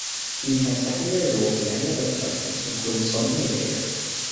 He had secondary roles in many other productions, including "Something in the Air".